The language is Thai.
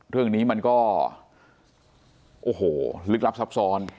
เรื่องนี้มันก็โอ้โหลึกลับซับซ้อน